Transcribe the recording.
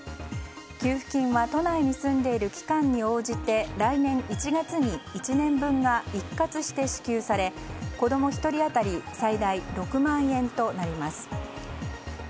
給付金は都内に住んでいる期間に応じて来年１月に１年分が一括して支給され子供１人当たり最大６万円となります。